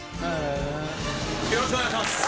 よろしくお願いします！